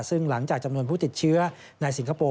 ซึ่งหลังจากจำนวนผู้ติดเชื้อในสิงคโปร์